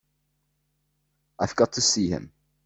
I've got to see him.